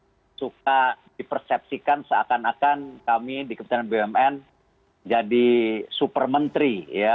saya suka dipersepsikan seakan akan kami di kementerian bumn jadi super menteri ya